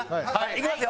いきますよ。